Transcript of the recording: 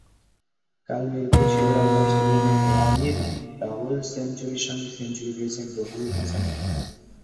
কাল মিরপুর শেরেবাংলা স্টেডিয়ামে রনির ডাবল সেঞ্চুরির সঙ্গে সেঞ্চুরি পেয়েছেন রকিবুল হাসানও।